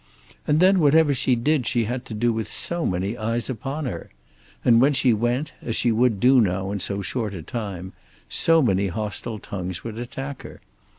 And then whatever she did she had to do with so many eyes upon her! And when she went, as she would do now in so short a time, so many hostile tongues would attack her!